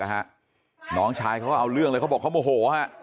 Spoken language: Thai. น้องชายเขาก็เอาเรื่องเลยเขาบอกเขาโมโหฮะ